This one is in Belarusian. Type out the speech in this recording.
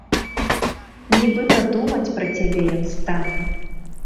Нібыта думаць пра цябе ён стане.